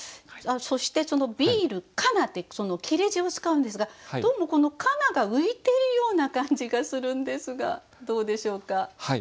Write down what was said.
そしてその「ビールかな」って切れ字を使うんですがどうもこの「かな」が浮いているような感じがするんですがどうでしょうか？